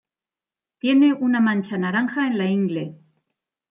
Tiene una mancha naranja en la ingle.